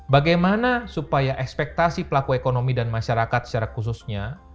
bagaimana supaya ekspektasi pelaku ekonomi dan masyarakat secara khususnya